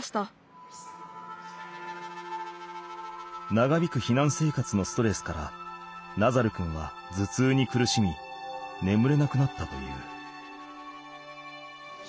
長引く避難生活のストレスからナザル君は頭痛に苦しみ眠れなくなったという。